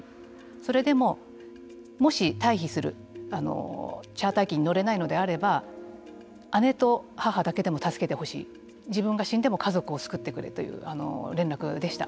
それでももし退避するチャーター機に乗れないのであれば姉と母だけでも助けてほしい自分が死んでも家族を救ってくれという連絡でした。